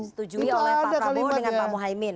disetujui oleh pak prabowo dengan pak muhaymin